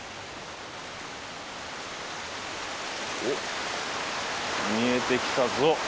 おっ見えてきたぞ。